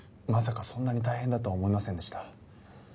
まさかそんなに大変だとは思いませんでした。